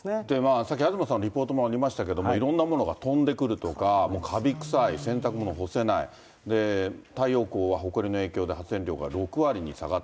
さっき、東さんのリポートにもありましたけれども、いろんなものが飛んでくるとか、かび臭い、洗濯物干せない、太陽光はほこりの影響で発電量が６割に下がった。